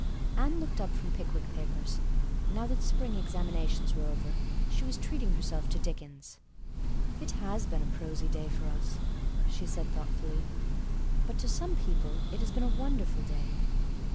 Anne looked up from Pickwick Papers. Now that spring examinations were over she was treating herself to Dickens. "It has been a prosy day for us," she said thoughtfully, "but to some people it has been a wonderful day.